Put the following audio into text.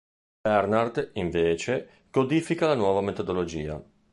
Bernard, invece, codifica la nuova metodologia.